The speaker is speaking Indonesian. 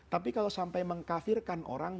tapi kalau sampai mengkafirkan orang